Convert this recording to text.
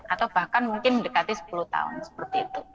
atau bahkan mungkin mendekati sepuluh tahun seperti itu